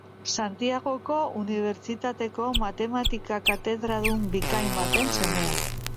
Santiagoko Unibertsitateko matematika-katedradun bikain baten semea.